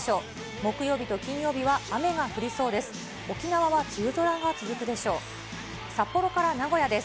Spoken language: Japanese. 木曜日と金曜日は雨が降りそうです。